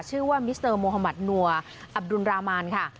ชื่อว่ามิสเตอร์โมฮามัธนัวอับดุลรามานค่ะ